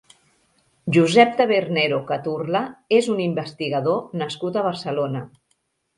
Josep Tabernero Caturla és un investigador nascut a Barcelona.